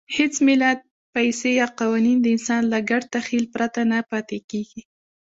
هېڅ ملت، پیسې یا قوانین د انسان له ګډ تخیل پرته نه پاتې کېږي.